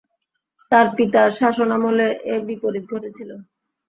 তাঁর পিতার শাসনামলে এর বিপরীত ঘটেছিল।